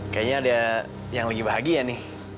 kayaknya ada yang lagi bahagia nih